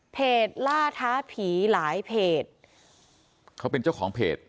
ล่าท้าผีหลายเพจเขาเป็นเจ้าของเพจ